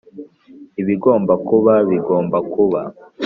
ibigomba kuba, bigomba kuba.